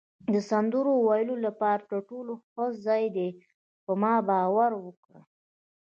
د سندرو ویلو لپاره تر ټولو ښه ځای دی، په ما باور وکړئ.